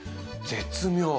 絶妙。